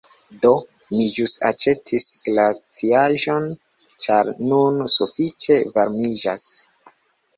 Do, mi ĵus aĉetis glaciaĵon ĉar nun sufiĉe varmiĝas